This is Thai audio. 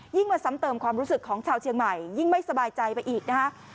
มาซ้ำเติมความรู้สึกของชาวเชียงใหม่ยิ่งไม่สบายใจไปอีกนะฮะ